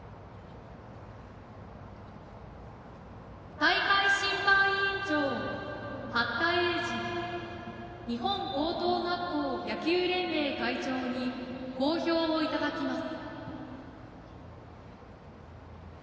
大会審判委員長八田英二日本高等学校野球連盟会長に講評をいただきます。